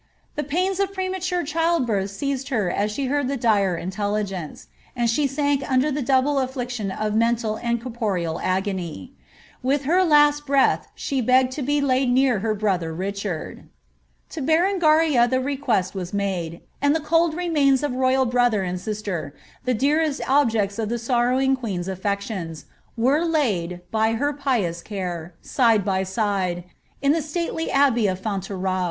The pains of premature child birth seized her as she heard the dire intelligence, and she sank under the double afiliction of mental and corporeal agony. With her last breath she begged to be laid near her brother Richard." To Berengaria the request was made, and the cold remains of the royal brother and sister, the dearest objects of the sorrowing queen's aflections, were laid, by her pious care, side by side, in the stately abbey of Fontevraud.'